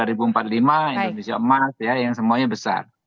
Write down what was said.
dua ribu empat puluh lima indonesia emas yang semuanya besar